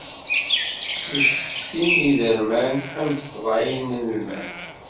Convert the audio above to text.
Issefti iderman am tqeḍɛiyin n lmal.